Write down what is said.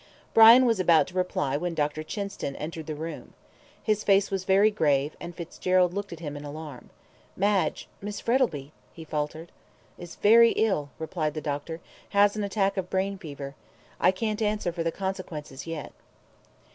Brian was about to reply when Dr. Chinston entered the room. His face was very grave, and Fitzgerald looked at him in alarm. "Madge Miss Frettlby," he faltered. "Is very ill," replied the doctor; "has an attack of brain fever. I can't answer for the consequences yet."